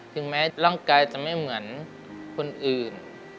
ถึงแม้ร่างกายจะไม่เหมือนคนอื่น